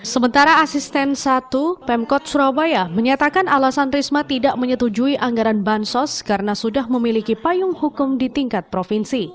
sementara asisten satu pemkot surabaya menyatakan alasan risma tidak menyetujui anggaran bansos karena sudah memiliki payung hukum di tingkat provinsi